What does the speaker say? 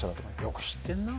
よく知ってんな